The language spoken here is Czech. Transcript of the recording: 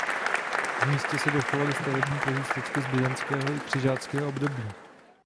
V místě se dochovaly stavební pozůstatky z byzantského i křižáckého období.